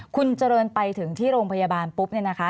คุณเจริญไปถึงที่โรงพยาบาลปุ๊บเนี่ยนะคะ